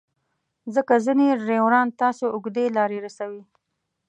ځکه ځینې ډریوران تاسو اوږدې لارې رسوي.